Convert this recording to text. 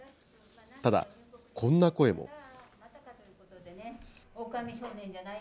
ただ、こんな声も。